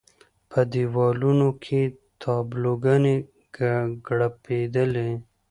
په دېوالونو کې تابلو ګانې وکړپېدلې.